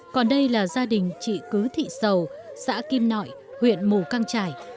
còn đây là gia đình chị cứ thị sầu xã kim nội huyện mù căng trải